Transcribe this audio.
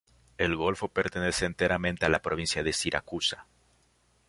El golfo pertenece enteramente a la provincia de Siracusa.